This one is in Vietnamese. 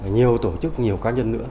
nhiều tổ chức nhiều cá nhân nữa